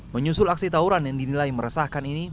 menyusul aksi tawuran yang dinilai meresahkan ini